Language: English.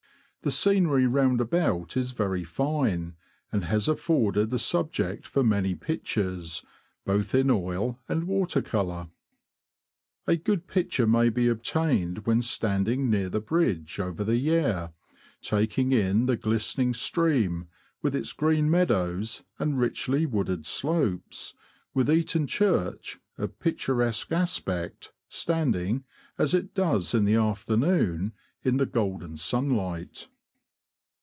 The scenery round about is very fine, and has afforded the subject for many pictures, both in oil and water colour. A good picture may be obtained when standing near the bridge over the Yare, taking in the glistening stream, with its green meadows and richly wooded slopes, with Eaton Church, of picturesque aspect, standing — as it does in the afternoon — in the golden sunlight.